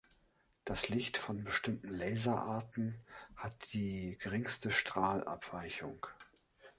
Das Licht von bestimmten Laserarten hat die geringste Strahlabweichung.